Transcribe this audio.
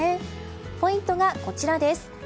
ポイントがこちらです。